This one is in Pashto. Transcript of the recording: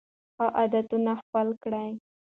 ښه عادتونه خپل کړئ.